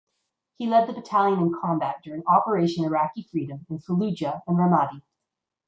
He led the battalion in combat during Operation Iraqi Freedom in Fallujah and Ramadi.